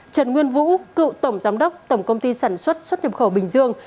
trần nguyên vũ cựu tổng giám đốc tổng công ty sản xuất xuất nhập khẩu bình dương